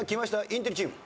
インテリチーム。